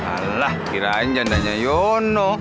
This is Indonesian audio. alah kirain jandanya yono